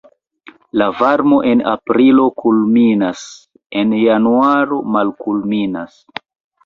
La varmo en aprilo kulminas, en januaro malkulminas.